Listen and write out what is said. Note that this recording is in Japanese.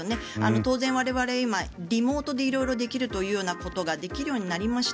当然、我々今、リモートで色々できるということができるようになりました。